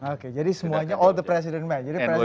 oke jadi semuanya all the presiden men